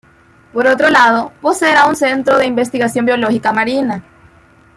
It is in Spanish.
Por otro lado, poseerá un centro investigación biológica marina.